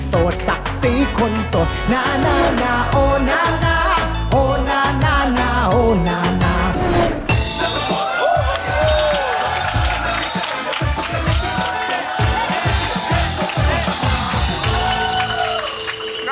ถ้าจีบค่ะเพราะว่าจีบไม่ค่อยติดครับ